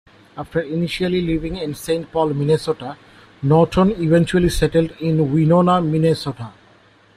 After initially living in Saint Paul, Minnesota, Norton eventually settled in Winona, Minnesota.